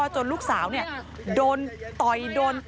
จนลูกสาวเนี่ยโดนต่อยโดน